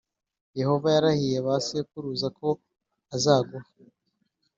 yehova yarahiye ba sokuruza ko azaguha